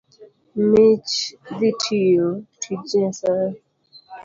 Mich dhi tiyo tich Nyasaye